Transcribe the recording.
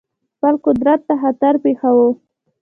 خپل قدرت ته خطر پېښاوه.